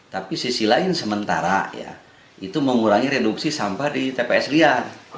tapi sisi lain sementara ya itu mengurangi reduksi sampah di tps liar